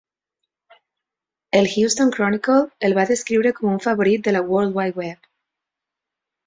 El Houston Chronicle el va descriure com un favorit de la World Wide Web.